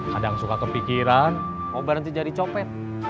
kadang suka kepikiran mau berhenti jadi copet